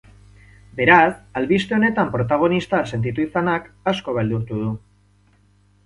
Beraz, albiste honetan protagonista sentitu izanak, asko beldurtu du.